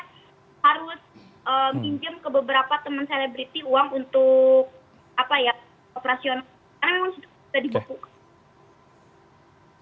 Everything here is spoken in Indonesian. saya harus pinjam ke beberapa teman selebriti uang untuk apa ya operasional karena memang sudah dibekukan